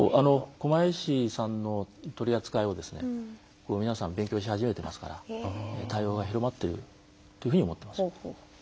狛江市さんの取り扱いを皆さん勉強し始めてますから対応が広まっているというふうに思っています。